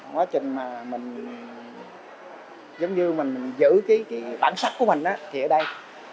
quá trình mà mình giống như mình giữ cái bản sắc của mình thì ở đây